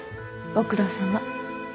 ご苦労さま。